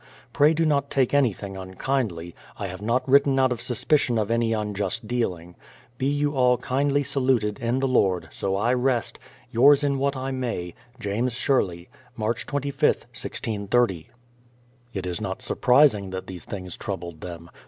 Pray do not take anything unkindly; I have not written out of suspicion of any unjust dealing. Be you all kindly saluted in the Lord, so I rest, Yours in what I may, March 25th, 1630. JAMES SHERLEY. It is not surprising that these things troubled them.